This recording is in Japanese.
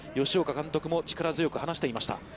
吉岡監督も力強く話していました。